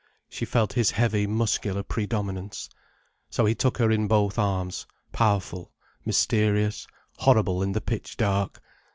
She felt his heavy muscular predominance. So he took her in both arms, powerful, mysterious, horrible in the pitch dark.